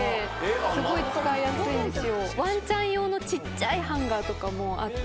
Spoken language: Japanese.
すごい使いやすいんですよ。